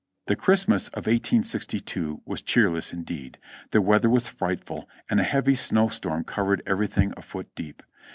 The Christmas of 1862 was cheerless indeed; the weather was frightful and a heavy snow storm co^'ered e\'erything a foot deep.